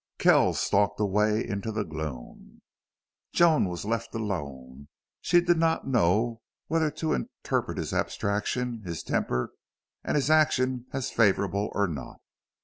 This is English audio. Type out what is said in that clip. Kells stalked away into the gloom. Joan was left alone. She did not know whether to interpret his abstraction, his temper, and his action as favorable or not.